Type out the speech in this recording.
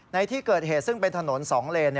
ในที่เกิดเหตุซึ่งเป็นถนน๒เลน